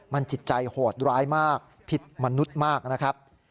มันจิตใจโหดร้ายมากผิดมนุษย์มากนะครับ